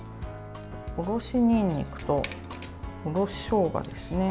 おろしにんにくとおろししょうがですね。